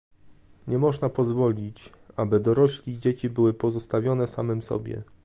Nie można pozwolić, aby dorośli i dzieci były pozostawione samym sobie